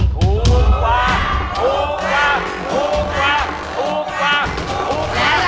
ถูกกว่าถูกกว่าถูกกว่าถูกกว่า